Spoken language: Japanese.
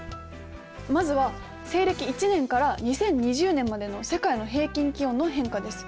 まずは西暦１年から２０２０年までの世界の平均気温の変化です。